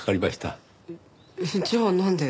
じゃあなんで？